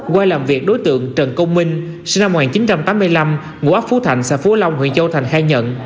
qua làm việc đối tượng trần công minh sinh năm một nghìn chín trăm tám mươi năm ngủ áp phú thành xã phú long huyện châu thành hai nhận